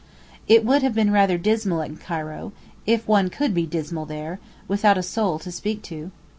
It would have been rather dismal in Cairo—if one could be dismal there—without a soul to speak to.